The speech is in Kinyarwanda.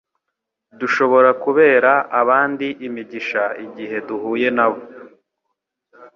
Dushobora kubera abandi imigisha igihe duhuye nabo.